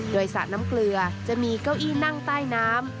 โดยสระน้ำเกลือจะมีเก้าอี้นั่งใต้น้ำ